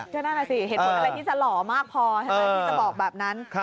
ก็นั่นน่ะสิเหตุผลอะไรที่จะหล่อมากพอใช่ไหมที่จะบอกแบบนั้น